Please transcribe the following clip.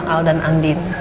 al dan andin